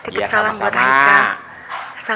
titip salam buat haikel